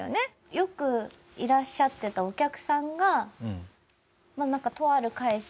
よくいらっしゃってたお客さんが。